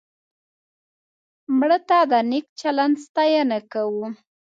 مړه ته د نیک چلند ستاینه کوو